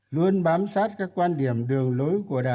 luôn bám sát các quan điểm đường lối của đảng